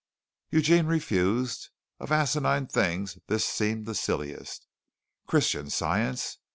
Eugene refused. Of asinine things this seemed the silliest. Christian Science!